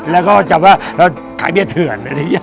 แล้วก็จับว่าเราขายเบี้ยเถื่อน